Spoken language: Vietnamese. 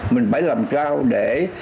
mình phải làm sao để